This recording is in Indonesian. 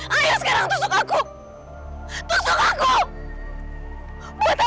maafkan aku nirlang